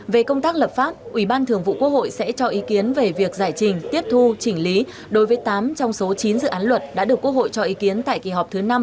về công tác lập pháp ủy ban thường vụ quốc hội sẽ cho ý kiến về việc giải trình tiếp thu chỉnh lý đối với tám trong số chín dự án luật đã được quốc hội cho ý kiến tại kỳ họp thứ năm